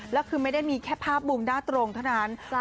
แล้วคือไม่ได้มีแค่ภาพมุมด้านตรงเท่านั้น